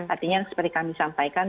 artinya seperti kami sampaikan